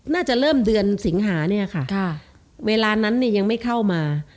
น่าจะเริ่มเดือนสิงหาเนี่ยค่ะเวลานั้นเนี่ยยังไม่เข้ามา